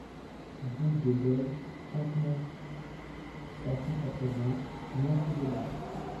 Route de Dole, trente-neuf, trois cent quatre-vingts Mont-sous-Vaudrey